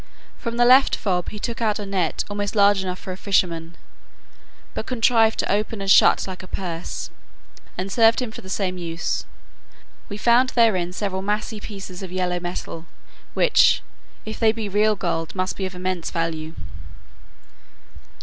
From the left fob he took out a net almost large enough for a fisherman, but contrived to open and shut like a purse, and served him for the same use: we found therein several massy pieces of yellow metal, which, if they be real gold, must be of immense value.